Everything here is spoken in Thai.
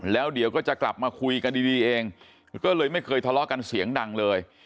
แล้วเดี๋ยวก็จะกลับมาคุยกันดีเองก็เลยไม่เคยทะเลาะกันเสียงดังเลย